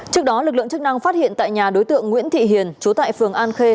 trước đó lực lượng chức năng phát hiện tại nhà đối tượng nguyễn thị hiền chú tại phường an khê